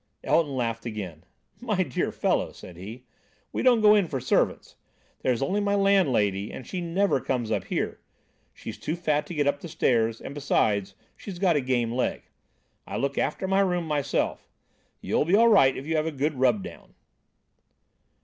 Elton laughed again. "My dear fellow," said he, "we don't go in for servants. There is only my landlady and she never comes up here. She's too fat to get up the stairs, and besides, she's got a game leg. I look after my room myself. You'll be all right if you have a good rub down."